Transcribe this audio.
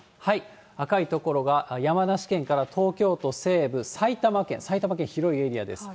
赤い所が山梨県から東京都西部、埼玉県、埼玉県、広いエリアです。